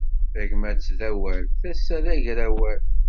Tagmat d awal, tasa d agrawal.